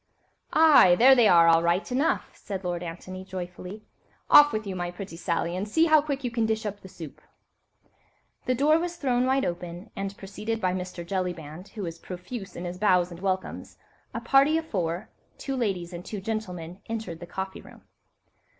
"Aye! there they are, all right enough," said Lord Antony, joyfully; "off with you, my pretty Sally, and see how quickly you can dish up the soup." The door was thrown wide open, and, preceded by Mr. Jellyband, who was profuse in his bows and welcomes, a party of four—two ladies and two gentlemen—entered the coffee room.